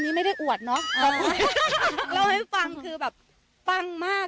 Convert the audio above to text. เราให้ฟังคือฟังมาก